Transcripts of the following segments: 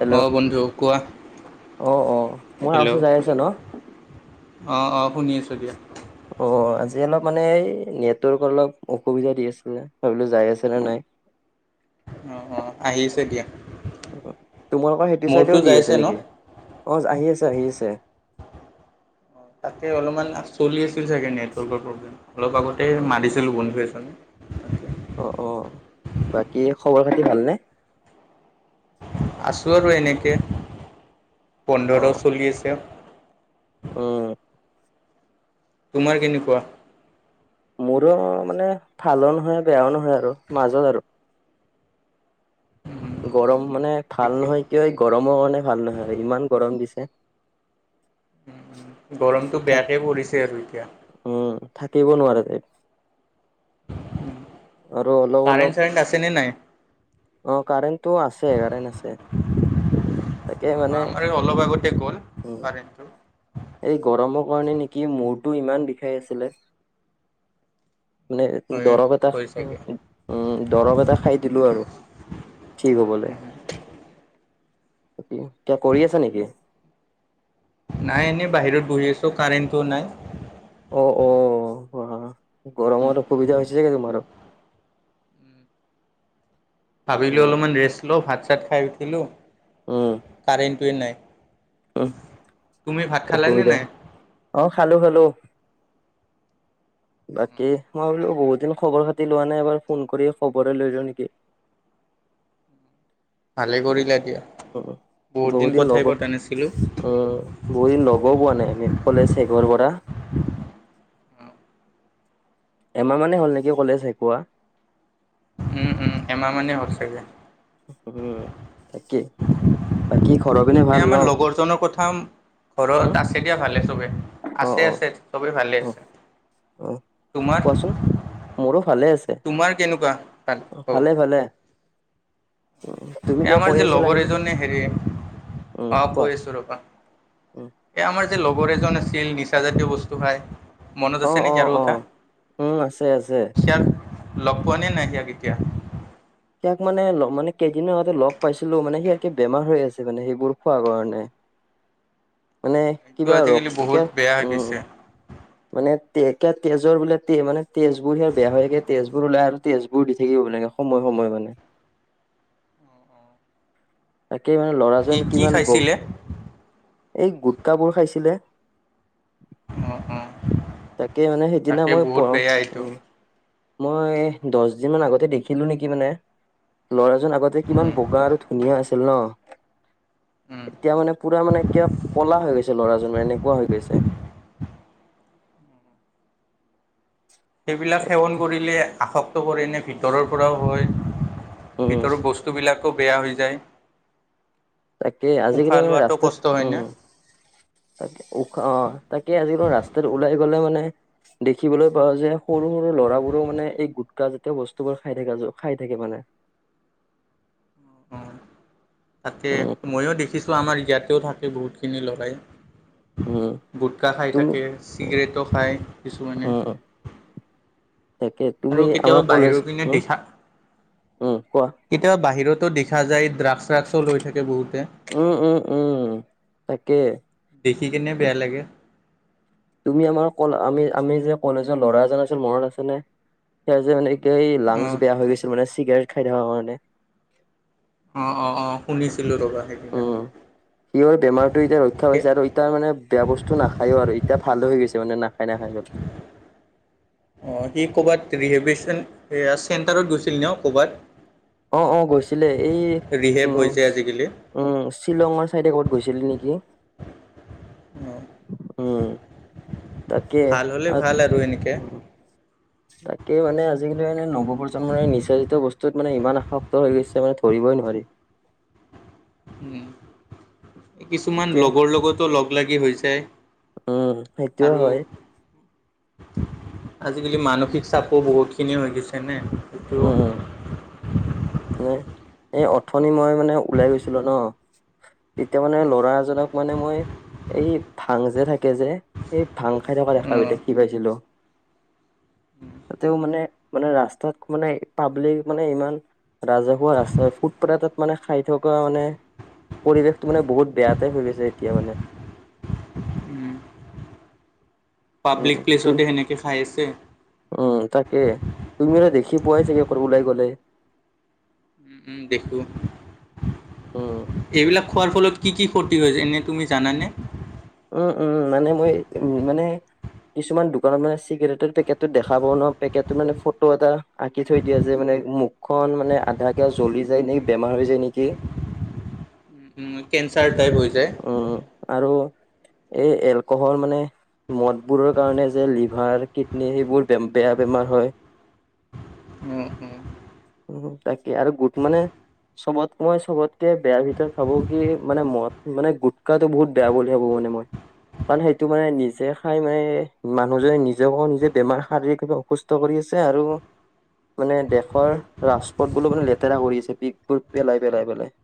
Hello অ বন্ধু কোৱা। অ অ, মই হেল্ল' আচো যাই আছে ন। অঁ অঁ শুনি আছোঁ দিয়া। অ আজি অলপ মানে এই নেটৱৰ্ক অলপ অসুবিধা দি আছিলে, ভাবিলো যাই আছে নে নাই। [inaudible] অ অ আহিছে দিয়া। তোমালোকৰ সেইটো মোৰতো চাইতেও দি যাইছে আছে ন নেকি? অ আহি আছে। আহি আছে। তাকে অলপমান চলি আছিল চাগে নেটৱৰ্কৰ প্ৰব্লেম, অলপ আগতে মাৰিছিলো বন্ধু এজনক। তা [unintelligible] অ অ, বাকী খবৰ খাতি ভালনে? আছোঁ আৰু এনেকে অ পোন্ধৰ চলি আছে। উম। তোমাৰ কেনেকুৱা? মোৰো মানে ভালো নহয়, বেয়াও নহয় আৰু মাজত আৰু। গৰম মানে ভাল ঠিকেই নহয়, কিয় হয় গৰম,। গৰমৰ কাৰণে ভাল নহয় আৰু ইমান গৰম দিছে। গৰমটো থাক বেয়াকে পৰিছে আৰু এতিয়া। উম থাকিব নোৱাৰা যাই। [inaudible] আৰু অলপ কাৰেণ্ট অলপ চাৰেণ্ট আছেনে নাই অ কাৰেণ্টটো আছে কাৰেণ্ট আছে। তাকে মানে আমাৰ অলপ আগতে গ'ল উম। কাৰেণ্টটো এই গৰমৰ কাৰণে নেকি মূৰটো ইমান বিষাই আছিলে। মানে হৈ দৰৱ এটা হৈ উ দৰৱ এটা খাই দিলো আৰু কি হ'বলে। চাগে ক কৰি আছা নেকি? নাই এনেই বাহিৰত বহি আছোঁ কাৰেণ্টো নাই। অ অ অ গৰমত অসুবিধা হৈছোগে তোমাৰ। ভাবিলো অলপমান ৰেষ্ট লওঁ ভাত চাত খাই উঠিলো। উ। [unintelligible] উম তুমি ভাত খালানে অসুবিধা নাই? অ খালো খালো। [inaudible] বাকী মই বোলো বহুত দিন খবৰ খাতি লোৱা নাই এবাৰ ফোন কৰি খবৰে লৈলো নেকি? [unintelligible] ভালে উম কৰিলে উম এতিয়া। বহুত দিন লগ উম বহুত দিন লগৰ পোৱা নাই। কলেজেঘৰ পৰা। এমাহ মানে হ'ল নেকি কলেজ এক কা। এমাহমানেই হ'ল চাগৈ উম তাকেই এ আমাৰ লগৰজনৰ কথা ঘৰত উম, আছে দিয়া ভালে চবে। অ', আছে অ', আছে চবেই ভালে অ', আছে। অ তোমাৰ কোৱাচোন মোৰো ভালে। তোমাৰ কেনেকুৱা ভাল অ খবৰ? ভালে ভালে। তুমি এই কিবা আমাৰ কৈ যে আছিলা লগৰ নেকি? এজনে হেৰি। উম, অ কোৱা পেশৰপা উম, এই আমাৰ। লগৰ এজন আছিল নিচা জাতীয় বস্তু খাই। মনত আছে অ', ন অ', যাৰ কথা অ'। উম, আছে আছে। ইয়াৰ। লগ পোৱা নে নাই ইিয়াক এতিয়া। ইাক মানে মানে কেইদনৰ আগতে লগ পাইছিলো মানে সিে বেমাৰ হৈ আছে মানে সেইবোৰ খোৱা কাৰণে। মানে সেইটো কিবা আজিকালি বহুত ৰক্ত বেয়া হৈ উম গৈছে। মানে তে তেজৰ বোলে তে মানে তেজবোৰ স বেয়া হৈ থাকে তেজ বোৰ ওলাই আৰু তেজবোৰ দি থাকিব লাগে সময় [unintelligible] সময় মানে। তাকে মানে সি ল'ৰাজন কি কিমান ব খাইছিলে? এই গুটকাবোৰ খাইছিলে অঁ অঁ তাকে মানে সেইদিনা তাকে মই বহুত পঢ়ো বেয়া এইটো উম মই দহ দিন মান আগতে দেখিলো নেকি মানে ল'ৰা আগতে কিমান উম, বগা আৰু ধুনীয়া আছিল উম। ন এতিয়া মানে পুৰা মানে এ কলা হৈ গৈছে ল'ৰাজনৰ এনেকুৱা হৈ গৈছে সেইবিলাক সেৱন কৰিলে আসক্ত কৰে ন ভিতৰৰ পৰাও হয় উম ভিতৰ বস্তুবিলাকো বেয়া হৈ যায়। তাকে আজিকালি উশাহ মানে লোৱাটো কষ্ট ৰাস্তাত উম হয়নে? তাকে উশ অ তাকে আজিক ৰাস্তাত ওলাই গ'লে মানে দেখিবলৈ পাওঁ যে সৰু সৰু ল'ৰাবোৰো মানে এই গুটখা জাতীয় বস্তু বোৰ খাই থাক খাই থাক [unintelligible] থে মানে [unintelligible] অঁ অঁ তাকে উম ময়ো দেখিছোঁ আমাৰ ইয়াতেও থাকে বহুতখিনি ল'ৰাই উম গুটকাা খাই তুমি থাকে উম চিগৰেটো খায় কিছুমানে [inaudible] তাকে তুমি আৰু কেতিয়াবা আমাৰ কলেজ বাহিৰৰ পিনে উম দেখা উম কোৱা কেতিয়াবা বাহিৰতো দেখা যায় ড্ৰাগছ চ্ৰাগসো লৈ থাকে বহুতে উম, উম, উম, তাকে দেখি কিনে পেয়া লাগ্গা তুমি আমাৰ ক আমি আমি যে কলেজৰ ল'ৰা এজন আছিল মণ আছেনেে স যে ম এ এই অ লাংচ বেয়া হৈ গৈছিল মানে চিগাৰেট খাই থকা কাৰণে অ অ অ শুনিছো উম সি বেমাৰটো এতিয়া ৰক্ষা পাইছে আৰু ই তাৰ মানে বেয়া বস্তু নাখায়ও আৰু এতিয়া ভালো হৈ গৈছে মানে নাখায় নাখায় বলে অঁ সি ক'ৰবাত ৰিহেভেশ্যন সেয়া চেণ্টাৰত গৈছিল ন ক'ৰবাত অ অ গৈছিলে এই উ ৰিহেব হৈছে আজিকালি উম শ্বিলঙৰ চাইডে ক'ত গৈছিলি নেকি অ উম তাকে ভাল হ'লে ভাল আৰু এনেকে উম তাকে মানে আজিকালি এ নৱপ্ৰজন্মৰ নিচাৰিত বস্তু ত মানে ইমান আসক্ত হৈ গৈছে মানে ধৰিবই নোৱাৰি কিছুমান এতিয়া লগৰ লগতো লগ লাগি হৈছে উম সেইটোয়ও হয় আজিকালি মানসিক চাপো বহুত খিনি হৈ গৈছে। যেনে কিটো। উম, মানে এই অথনি মই মানে ওলাই গৈছিলো ন। তেতিয়া মানে ল'ৰা এজনক মানে মই - এই ভাং যে থাকে যে সেই ভাং খাই থকা দেখা অ' দেখি পাইছিলো। ততেও মানে মানে ৰাস্তাত মানে পাব্লিক মানে ইমান ৰাজহুৱা আ ফুটপ তাত মানে খাই থকা মানে পৰিৱেশটো মানে বহুত বেয়াতোই হৈ গৈছে এতিয়া মানে [inaudible] উম, পাব্লিক উম, তুম প্লেছতে সেনেকে খাই আছে উম তাকে তুমি অলে দেখি পোৱাই চাগে' ওলাই গলে উম, দেখো উম, এইবিলাক খোৱাৰ ফলত কি কি ক্ষতি হৈছে এনেই তুমি জানানে উম উম মানে মই উ মানে কিছুমান দোকানত মানে চিগাৰেটৰ পেকেট দেখা পা ন পেকেটত মানে ফটো এটা আঁকি থৈ দিয়া যে মানে [unintelligible] মুখখন মানে আধা কিয়া জ্বলি যায় এ বেমাৰ হৈ যায় নেকি কেন্ঞ্চাৰ টাইপ হৈ যায় উম আৰু এই এলকহল মানে মদ বোৰৰ কাৰণে যে লিভাৰ কিডনী সেইবোৰে বেয়া বেমাৰ হয় উম, উম। উ তাকে আৰু গোট মানে চবত মই চবতকে বেয়াৰ ভিতৰত ভাবো কি মানে মদ মানে গুটখাতটো বহুত বেয়া বুলি ভাবো মানে মই কাৰণ সেইটো মানে নিজে খাই মানে মানুহজনে নিজেক নিজে বেমাৰ শাৰীৰিকভাৱে অসুস্থ কৰি আছে আৰু মানে দেশৰ ৰাজপথ বোলো মানে লেতেৰা কৰি আছে পিকবোৰ পেলাই পেলাই পেলাই [inaudible]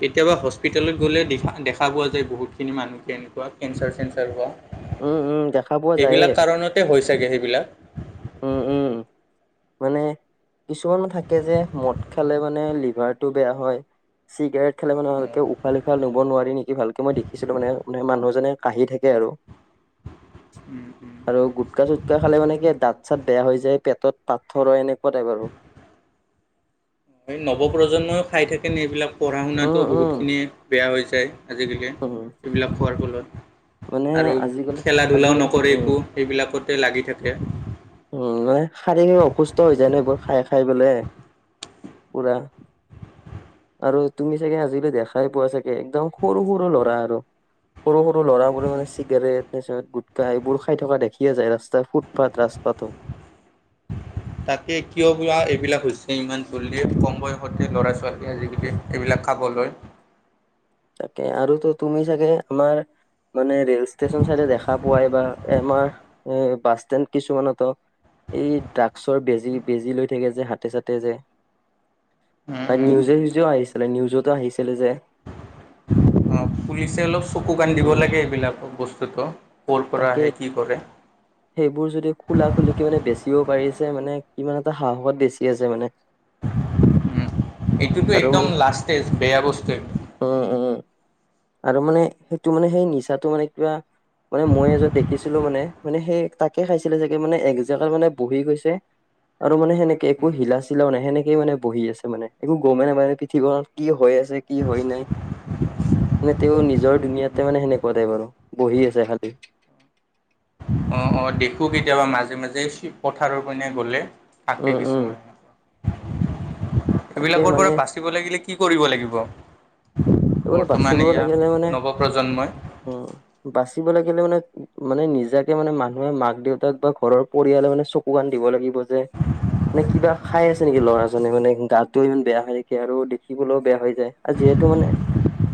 কেতিয়াবা হস্পিতেলত গ'লে দো দেখা পোৱা যায় বহুতখিনি মানুহ কেনেকুৱা কেঞ্চাৰ চেঞ্চাৰ হোৱা। উম উম দেখা পোৱা যায়ে এইবিলাক কাৰণতে হৈ চাগে সেইবিলাক উম উম মানে কিছুমানো থাকে যে মদ খালে মানে লিভাৰটো বেয়া হয় চিগাৰেট খে মানে উশাহ উম, নিশাহ লব নোৱাৰি নেকি ভালকে মই দেখিছিলো মানে মানুহজনে কাঁহি থাকে আৰু উম। উম। গুটকা চুটকা খালে মানে কি দাঁত ছাত বেয়া হৈ যায় পেটত পাথৰ হয় এনেকুৱাতোই বাৰু নৱপ্ৰজন্মইও খাই থাকেনে এইবিলাক পঢ়া উম শুনাাতটো উম বহুতখিনি বেয়া হৈ যায় আজিকালি উম এইবিলাক খোৱাৰ ফলত মানে আৰু আজিকালি খেলা ধূলাও আজিকালি নকৰে উম একো সেইবিলাকতে লাগি থাকে উম নে শাৰীৰিক অসুস্থ হৈ যায় ন এইবোৰ খাই খাই বোলে পুৰা আৰু তুমি চাগে আজিলৈ দেখাই পোৱা চাগে একদম সৰু সৰু ল'ৰা আৰু সৰু সৰু ল'ৰাবোৰে মানে চিগাৰেট নিচ গুটকা এইবোৰ খাই থকা দেখিয়ে যায় ৰাস্তাই ফুটপাথ ৰাস্তাটো [inaudible] তাকে কিয় বাোৱা এইবিলাক হৈছে ইমান চলে কম বয়সতে ল'ৰা ছোৱাল ছোৱালী উম আজিকালি এইবিলাক খাবলৈ তাকে আৰুতো তুমি চাগে আমাৰ মানে ৰেল ষ্টেচন চাইডে দেখা পোৱাই বা আমাৰ এ বাছ ষ্টেণ্ড কিছুমানতো এই ড্ৰাগছৰ বেজী বেজী লৈ থাকে যে হাতে চাতে যে উম তাত উম নিউজে নিউজেও আহিছিলে নিউজতো আহিছিলে যে অ পুলিচে অলপ চকু কাণ দিব উম লাগে এইবিলাক বস্তুতটো তাকে সেইবোৰ যদি খোলা খুলিকে মানে বেছি ও পাৰিছে মানে কিমান এটা সাহসত বেছি আছে মানে উম এইটোতো আৰু একদম মানে লাষ্টেজ বেয়া বস্তু একটো উম উম আৰু মানে সেইটো মানে সেই নিচাটো মানে কিবা মানে মই এয দেখিছিলো মানে মানে সেই তাকে খাইছিলে চাগে মানে একজেগা মানে বহি গৈছে আৰু মানে সেনেকে একো হিলা চিলাও নাই সেনেকে মানে বহি আছে মানে একো গমে নাপাইায়ে পৃথিৱত কি হয় ছে কি হয় নাই মানে তেওঁ নিজৰ দুুনীয়াতে মানে সেনেকুৱাতোই বাৰু বহি আছে শান্তিত অঁ অঁ দেখোঁ কেতিয়াবা মাজে মাজে পথাৰৰ পিনে গ'লে থাকে উম উম কিছুমান তাকে এইবিলাকৰ মানে পৰা বাচিব লাগিলে কি কৰিব লাগিব এইবোৰো বৰ্তমান বাচিব এয়া লাগিলে মানে নৱপ্ৰজন্মই উম বাচিব লাগে মানে মানে নিজাকে মানে মানুহে মাক দেউতাক বা ঘৰৰ পৰিয়ালে মানে চকু কাণ দিব লাগিব যে মানে কিবা খাই আছে নেকি ল'ৰাজনে মানে গাটোও ইমান বেয়া হৈ থাকে আৰু দেখিবলৈও বেয়া হৈ যায় আজি যিহেতু মানে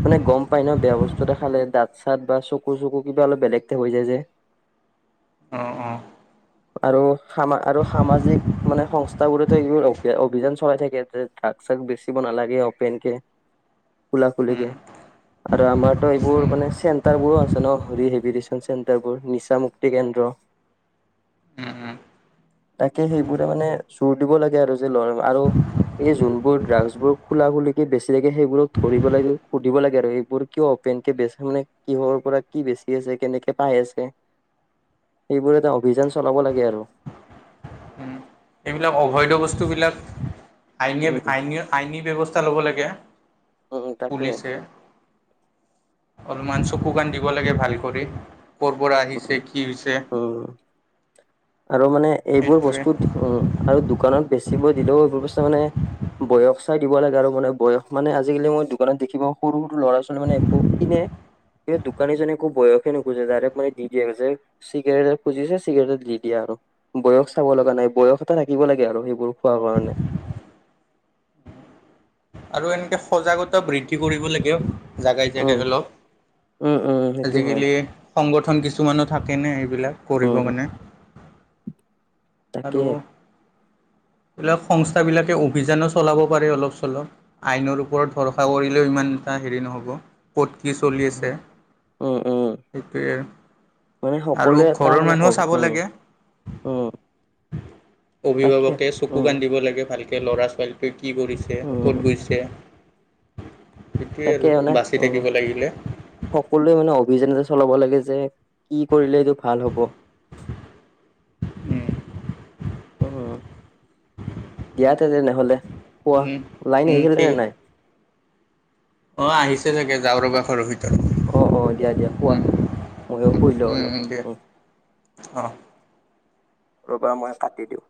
মানে গম পাই ন বেয়া বস্তু এটা খালে দাঁত চত বা চকুৰ চকু কিবা অলপ বেলেগ টাইপ হৈ যায় যে [inaudible] অঁ অঁ আৰু সা আৰু সামাজিক মানে সংস্থা বোৰতো এইবোৰ অভিযান চলাই থাকে তাত চাক বেচিব নালাগে অপেন কে খোলা খুলি কে উম আৰু আমাৰতো উম এইবোৰ মানে চেণ্টাৰ বোৰো আছে ন ৰিহেভিচন চেণ্টাৰ বোৰ নিচা মুক্তি কেন্দ্ৰ দ উম তাকে সেইবোৰে মানে চোৰ দিব লাগে আৰু যে ল আৰু এই যোনবোৰ ড্ৰাগছ বোৰ খোলা খলকে বেছি লাগে সেইবোৰক ধৰিবাই সুধিব লাগে আৰু এইবোৰ কিয়পেনকে বে মানে কিহৰ পৰা কি বেছি আছে কেনেকে পাই সবোৰ এটা অভিযান চলাব লাগে আৰু এইবিলাক অবৈধ বস্তুবিলাকন উম আইনী ব্যৱস্থা ল'ব লাগে উম তাকে পুলিচে অলপমান চকু কাণ দিব লাগে ভাল কৰি ক'ৰ পৰা আহিছে উম কি হৈছে উম আৰু মানে এইবোৰ সেইটোৱে বস্তুত উ আৰু দোকানত বেচিব দিলেও এইবোৰ বস্তু মানে বয়স চাই দিব লাগে আৰু মানে বয়স মানে আজিকালি মই দোকানত দেখিবা সৰু সৰু ল'ৰা ছোৱালী মানে একো কিনে স দোকানীজনে একো বয়সে নুখুজছে ডাইৰেক্ মানে দি দিয়ছে চিগাৰেটত খুজিছে চিগাৰেট দি দি দিয়া আৰু বয়স চাব লগা নাই বয়স এটা থাকিব লাগে আৰু সেইবোৰ খোৱাৰ কাৰণে [inaudible] আৰু এনেকে সজাগতা বৃদ্ধি কৰিব লাগে জাগাই জেগাই উম অলপ উম উম সেইটো হয় আজিকালি সংগঠন কিছুমানো থাকেনে এইবিলাক কৰিব উম উম মানে আৰু তাকে এইবিলাক সংস্থাবিলাকে অভিযানো চলাব পাৰে অলপ চলপ আইনৰ ওপৰত ভৰষা কৰিলেও ইমান এটা হেৰি নহ'ব ক'ত কি চলি উম আছে উম উম সেইটোৱে মানে আৰু সকলোৱে এটা ঘৰৰ মানে অ মানুহো চাব উম লাগে উম তাকে অভিভাৱকে চকু উম কান্দিব লাগে ভালকে ল'ৰা ছোৱালীটোৱে কি কৰিছে ক'ত উম গৈছে সেইটোৱে আৰু তাকে মানে বাচি উ থাকিব লাগিলে সকলোৱে মানে অভিযান এটা চলাব লাগে যে কি কৰিলে এইটো ভাল হ'ব উম, উম দিয়া তেনেহলে কোৱা উম, লাইন আহিছিলে নে নাই অ আহিছে চাগে যাওঁ ৰবা ঘৰৰ ভিতৰত অ অ দিয়া দিয়া শোৱা উম, ময়ো শুই লওঁ অলপ উম, দিয়া অ অঁ ৰবা মই কাটি দিওঁ